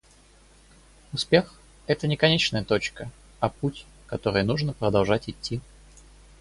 Успех - это не конечная точка, а путь, который нужно продолжать идти